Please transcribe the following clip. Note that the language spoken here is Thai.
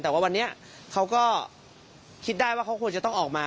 แต่ว่าวันนี้เขาก็คิดได้ว่าเขาควรจะต้องออกมา